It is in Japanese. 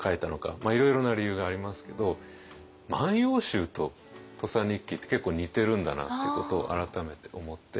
まあいろいろな理由がありますけど「万葉集」と「土佐日記」って結構似てるんだなってことを改めて思って。